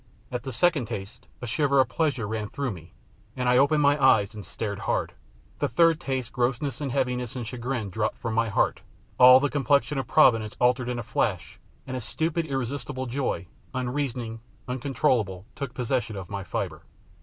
At the second taste a shiver of pleasure ran through me, and I opened my eyes and stared hard. The third taste grossness and heaviness and chagrin dropped from my heart; all the complexion of Providence altered in a flash, and a stupid irresistible joy, unreasoning, uncontrollable took possession of my fibre.